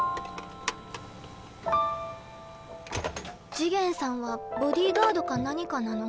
次元さんはボディーガードか何かなの？